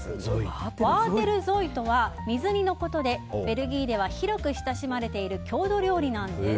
ワーテルゾイとは水煮のことでベルギーでは広く親しまれている郷土料理なんです。